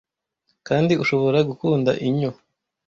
kandi ushobora gukunda inyo